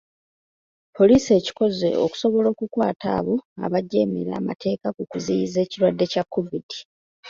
Poliisi ekikoze okusobola okukwata abo abajeemera amateeka ku kuziyiza ekirwadde kya COVID.